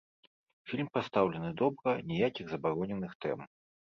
Фільм пастаўлены добра, ніякіх забароненых тэм.